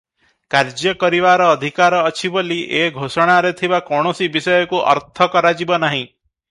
କାର୍ଯ୍ୟ କରିବାର ଅଧିକାର ଅଛି ବୋଲି ଏ ଘୋଷଣାରେ ଥିବା କୌଣସି ବିଷୟକୁ ଅର୍ଥ କରାଯିବ ନାହିଁ ।